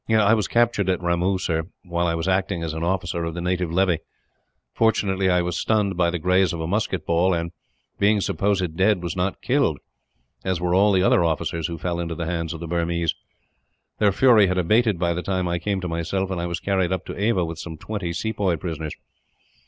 "I was captured at Ramoo, sir, while I was acting as an officer of the native levy. Fortunately I was stunned by the graze of a musket ball and, being supposed dead, was not killed; as were all the other officers who fell into the hands of the Burmese. Their fury had abated by the time I came to myself, and I was carried up to Ava with some twenty sepoy prisoners.